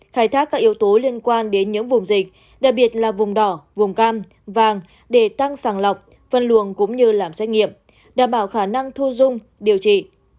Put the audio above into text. khai thác các yếu tố liên quan đến những vùng dịch đặc biệt là vùng đỏ vùng cam vàng để tăng sàng lọc phân luồng cũng như làm xét nghiệm đảm bảo khả năng thu dung điều trị